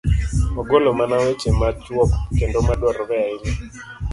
ogolo mana weche machuok kendo ma dwarore ahinya?